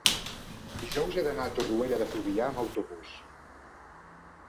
dijous he d'anar a Torroella de Fluvià amb autobús.